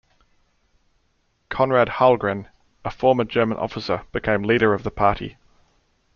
Konrad Hallgren, a former German officer, became the leader of the party.